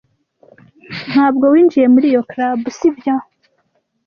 Ntabwo winjiye muri iyo club, sibyo?